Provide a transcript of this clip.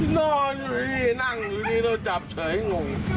นอนอยู่นี่นั่งอยู่นี่เราจับเฉยงง